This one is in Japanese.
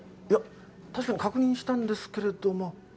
いや確かに確認したんですけれども。